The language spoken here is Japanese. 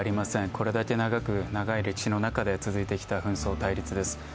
これだけ長い歴史の中で続いてきた紛争、対立です。